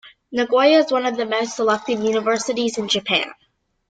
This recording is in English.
Nagoya is one of the most selective universities in Japan.